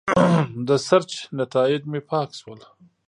د سرچ نیتایج مې پاک شول.